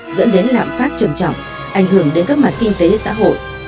dẫn đến lạm phát trầm trọng ảnh hưởng đến các mặt kinh tế xã hội